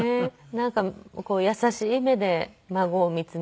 なんか優しい目で孫を見つめていますね。